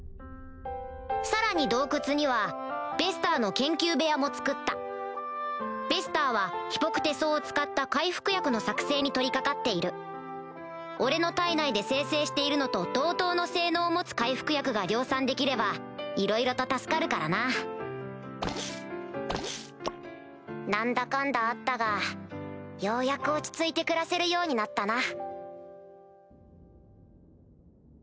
さらに洞窟にはベスターの研究部屋も作ったベスターはヒポクテ草を使った回復薬の作製に取り掛かっている俺の体内で精製しているのと同等の性能を持つ回復薬が量産できればいろいろと助かるからな何だかんだあったがようやく落ち着いて暮らせるようになったな。